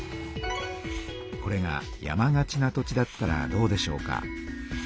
これが山がちな土地だったらどうでしょうか。